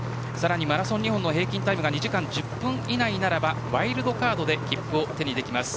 マラソン日本の平均タイムが２時間１０分以内ならワイルドカードで切符を手に入れられます。